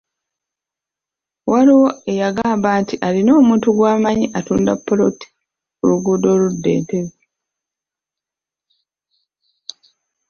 Waliwo eyagamba nti alina omuntu gw’amanyi atunda ppoloti ku luguudo oludda Entebbe.